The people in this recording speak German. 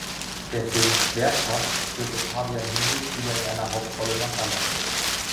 Der Film "Schwerkraft" führte Fabian Hinrichs wieder in einer Hauptrolle nach Halle.